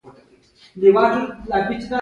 لېونیانو غبرګون ښيي.